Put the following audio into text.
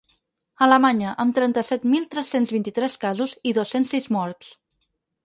Alemanya, amb trenta-set mil tres-cents vint-i-tres casos i dos-cents sis morts.